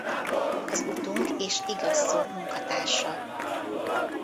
Az Utunk és Igaz Szó munkatársa.